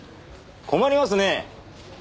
困りますね！